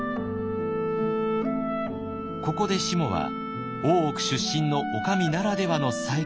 ここでしもは大奥出身の女将ならではの才覚を現します。